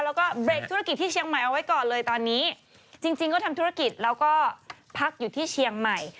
แล้วก็เบรกธุรกิจที่เชียงใหม่เอาไว้ก่อนเลยตอนนี้จริงจริงก็ทำธุรกิจแล้วก็พักอยู่ที่เชียงใหม่